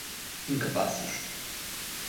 incapazes